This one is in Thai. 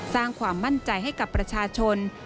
สร้างความมั่นใจให้กับประชาชน